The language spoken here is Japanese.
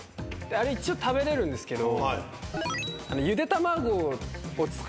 あれ一応食べれるんですけど。